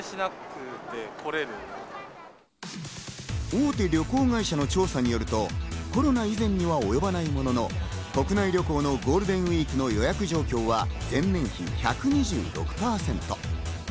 大手旅行会社の調査によるとコロナ以前には及ばないものの、国内旅行のゴールデンウイークの予約状況は前年比１２６％。